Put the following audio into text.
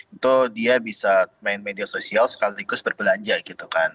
itu dia bisa main media sosial sekaligus berbelanja gitu kan